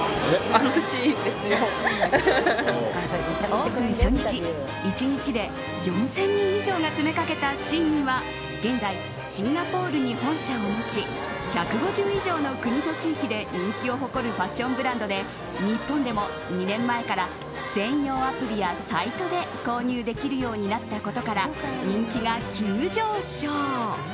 オープン初日、１日で４０００人以上が詰めかけたＳＨＥＩＮは、現在シンガポールに本社を持ち１５０以上の国と地域で人気を誇るファッションブランドで日本でも、２年前から専用アプリやサイトで購入できるようになったことから人気が急上昇。